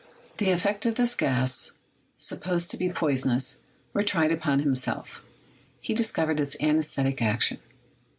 The effects of this gas, supposed to be poisonous, were tried upon himself. He discovered its anesthetic action.